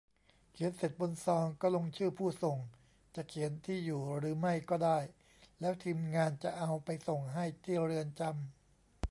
เขียนเสร็จบนซองก็ลงชื่อผู้ส่ง จะเขียนที่อยู่หรือไม่ก็ได้ แล้วทีมงานจะเอาไปส่งให้ที่เรือนจำ